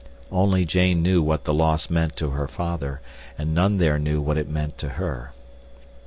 Only Jane knew what the loss meant to her father, and none there knew what it meant to her.